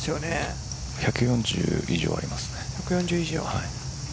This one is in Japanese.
１４０以上あります。